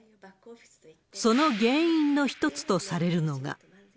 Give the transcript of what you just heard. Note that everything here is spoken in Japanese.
その原因の一つとされるのが。